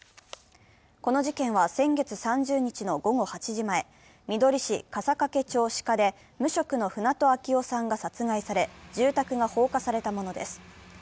この事件は、先月３０日の午後８時前、みどり市笠懸町鹿で無職の船戸秋雄さんが殺害され、住宅が放火されたものです。